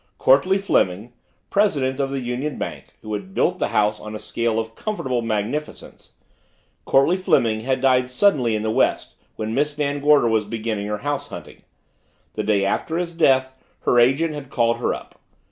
Courtleigh Fleming, president of the Union Bank, who had built the house on a scale of comfortable magnificence Courtleigh Fleming had died suddenly in the West when Miss Van Gorder was beginning her house hunting. The day after his death her agent had called her up.